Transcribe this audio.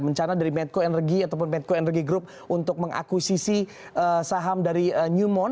rencana dari medco energi ataupun medco energy group untuk mengakuisisi saham dari newmort